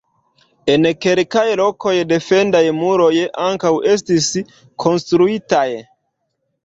En kelkaj lokoj, defendaj muroj ankaŭ estis konstruitaj.